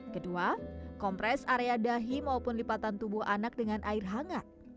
kedua kompres area dahi maupun lipatan tubuh anak dengan air hangat